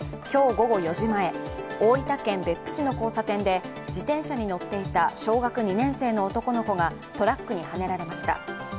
今日午後４時前、大分県別府市の交差点で自転車に乗っていた小学２年生の男の子がトラックにはねられました。